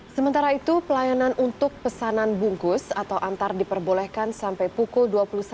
sementara itu pelayanan untuk pesanan bungkus atau antar diperbolehkan sampai pukul dua puluh satu